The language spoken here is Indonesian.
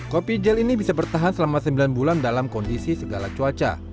kopi gel ini bisa bertahan selama sembilan bulan dalam kondisi segala cuaca